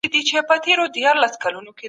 ابن خلدون په کومه پېړۍ کي ژوند کاوه؟